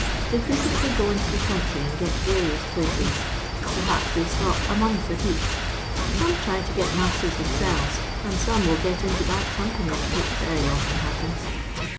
They frequently go into the country and get various places ; perhaps they stop a month at each ; some try to get masters themselves, and some will get into bad company, which very often happens.